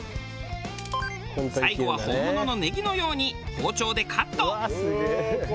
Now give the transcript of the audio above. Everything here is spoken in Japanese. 最後は本物のネギのように包丁でカット。